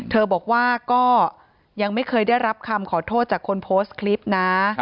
บอกว่าก็ยังไม่เคยได้รับคำขอโทษจากคนโพสต์คลิปนะ